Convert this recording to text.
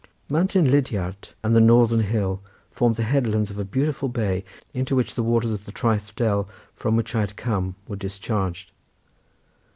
Mountain Lidiart and the Northern Hill formed the headlands of a beautiful bay into which the waters of the traeth dell, from which I had come, were discharged.